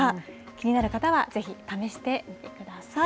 気になる方はぜひ試してみてください。